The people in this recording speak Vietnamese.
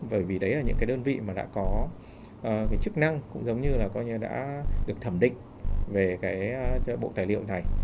bởi vì đấy là những cái đơn vị mà đã có cái chức năng cũng giống như là coi như đã được thẩm định về cái bộ tài liệu này